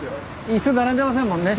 椅子並んでませんもんね。